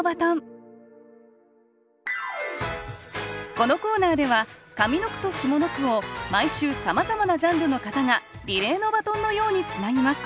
このコーナーでは上の句と下の句を毎週さまざまなジャンルの方がリレーのバトンのようにつなぎます。